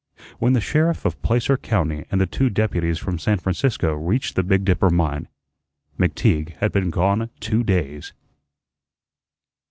When the sheriff of Placer County and the two deputies from San Francisco reached the Big Dipper mine, McTeague had been gone two days.